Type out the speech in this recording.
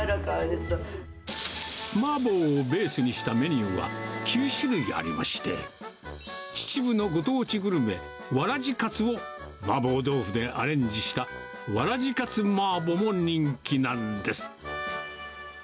マーボーをベースにしたメニューは９種類ありまして、秩父のご当地グルメ、わらじカツをマーボー豆腐でアレンジしたわらじカツマーボーも人気なんです。